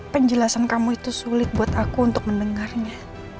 penjelasan kamu itu sulit buat aku untuk mendengarnya